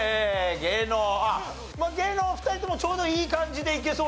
芸能２人ともちょうどいい感じでいけそうじゃん？